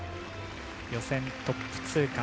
予選トップ通過。